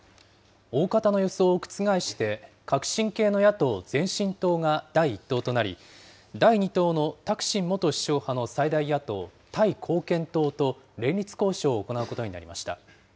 大方の予想を覆して、革新系の野党・前進党が第１党となり、第２党のタクシン元首相派の最大野党・タイ貢献党と連立交渉を行うことになりました。